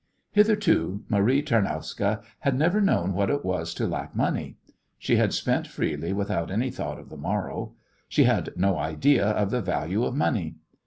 Hitherto Marie Tarnowska had never known what it was to lack money. She had spent freely without any thought of the morrow. She had no idea of the value of money.